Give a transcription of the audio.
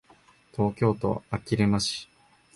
東京都あきる野市